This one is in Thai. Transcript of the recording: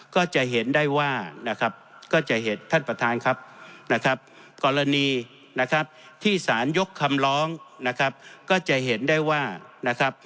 ก็จะเห็นได้ว่ากรณีที่สารยกคำล้องก็จะเห็นได้ว่า